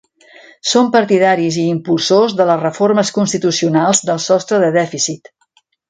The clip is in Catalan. Són partidaris i impulsors de les reformes constitucionals del sostre de dèficit.